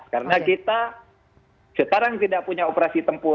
karena kita sekarang tidak punya operasi tempur